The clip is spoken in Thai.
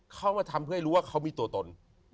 เขามาทำเพื่อให้รู้ว่าเขามีตัวตน